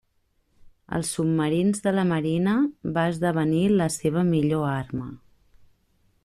Els submarins de la marina va esdevenir la seva millor arma.